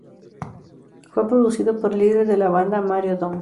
Fue producido por el líder de la banda Mario Domm.